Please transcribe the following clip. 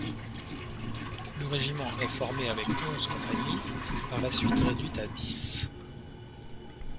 Le régiment est formé avec onze compagnies, par la suite réduit à dix.